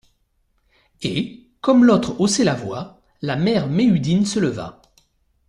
Et, comme l’autre haussait la voix, la mère Méhudin se leva.